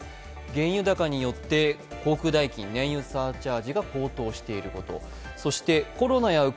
原油高によって航空代金、燃油サーチャージが高騰していること。